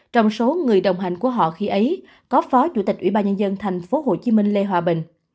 trong số người đồng hành của họ khi ấy có phó chủ tịch ủy ban nhân dân thành phố hồ chí minh lê hòa bình